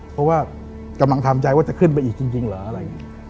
เพราะว่ากำลังทำใจว่าจะขึ้นไปอีกจริงเหรออะไรอย่างนี้